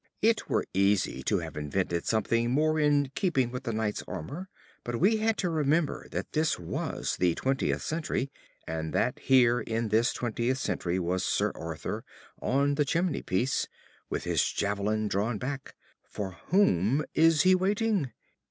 It were easy to have invented something more in keeping with the knight's armour, but we had to remember that this was the twentieth century, and that here in this twentieth century was Sir Arthur on the chimney piece, with his javelin drawn back. For whom is he waiting?